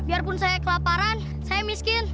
biarpun saya kelaparan saya miskin